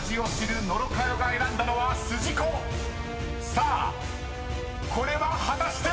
［さあこれは果たして⁉］